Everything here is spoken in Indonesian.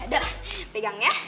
ada pegang ya